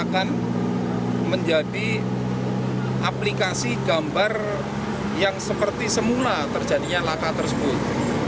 akan menjadi aplikasi gambar yang seperti semula terjadinya laka tersebut